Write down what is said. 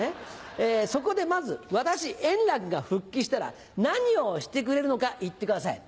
そこでまず私円楽が復帰したら何をしてくれるのか言ってください。